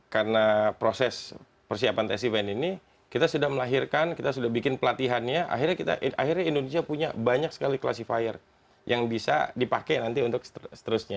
karena proses persiapan test event ini kita sudah melahirkan kita sudah bikin pelatihannya akhirnya indonesia punya banyak sekali classifier yang bisa dipakai nanti untuk seterusnya